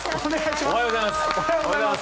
おはようございます。